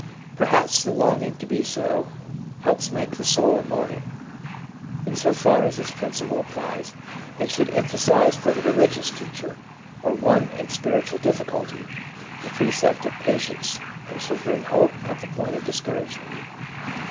1 Perhaps the longing to be so Helps make the soul immortal.' In so far as this principle applies, it should emphasise for the religious teacher, or one in spiritual difficulty, the precept of patience, and should bring hope at the point of discouragement.